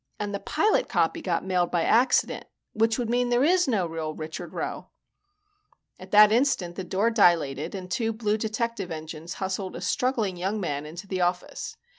And the pilot copy got mailed by accident which would mean there is no real Richard Rowe." At that instant, the door dilated and two blue detective engines hustled a struggling young man into the office.